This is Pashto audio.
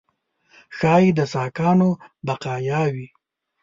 ښایي د ساکانو بقایاوي.